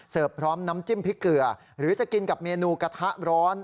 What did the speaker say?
พร้อมน้ำจิ้มพริกเกลือหรือจะกินกับเมนูกระทะร้อน